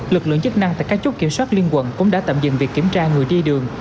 lực lượng chức năng tại các chốt kiểm soát liên quận cũng đã tạm dừng việc kiểm tra người đi đường